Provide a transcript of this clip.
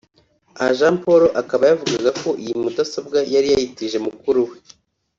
Aha Jean Paul akaba yavugaga ko iyi mudasobwa yari yayitije mukuru we